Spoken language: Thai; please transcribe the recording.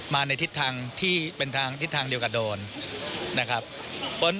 มาในทิศทางที่เป็นทิศทางเดียวกับโดน